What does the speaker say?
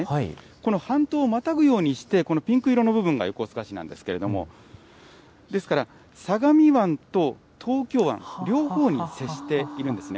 この半島をまたぐようにして、このピンク色の部分が横須賀市なんですけれども、ですから、相模湾と東京湾、両方に接しているんですね。